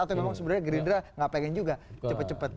atau memang sebenarnya gerindra nggak pengen juga cepet cepet